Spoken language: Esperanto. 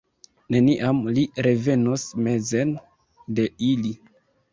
Neniam li revenos mezen de ili.